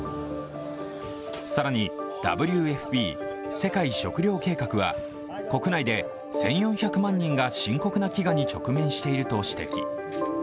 更に、ＷＦＰ＝世界食糧計画は国内で１４００万人が深刻な飢餓に直面していると指摘。